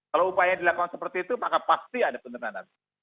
kalau upaya dilakukan seperti itu maka pasti ada penurunan